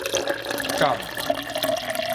敢